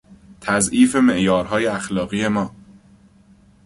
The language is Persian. تضعیف معیارهای اخلاقی ما